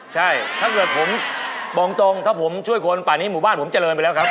ใช่ถ้าเกิดผมบอกตรงถ้าผมช่วยคนป่านี้หมู่บ้านผมเจริญไปแล้วครับ